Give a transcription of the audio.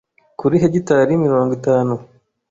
kuri hegitari mirongo itanu